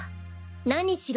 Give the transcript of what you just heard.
何しろ